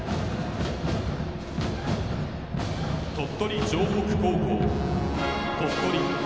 鳥取城北高校・鳥取。